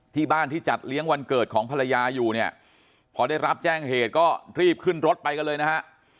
ที่บ้านที่จัดเลี้ยงวันเกิดของภรรยาอยู่เนี่ยพอได้รับแจ้งเหตุก็รีบขึ้นรถไปกันเลยนะฮะ